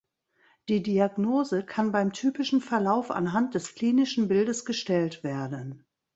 Die Diagnose kann beim typischen Verlauf anhand des klinischen Bildes gestellt werden.